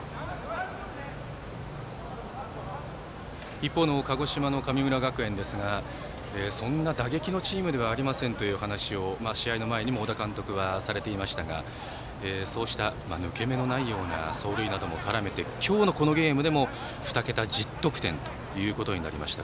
一方の鹿児島の神村学園ですがそんな打撃のチームではありませんという話を試合の前にも小田監督はされていましたがそうした抜け目のないような走塁なども絡めて今日の、このゲームでも２桁１０得点となりました。